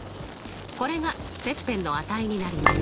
これが切片の値になります。